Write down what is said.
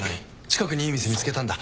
近くにいい店見つけたんだ。